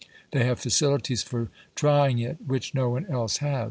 They have facilities for trying it which no one else has.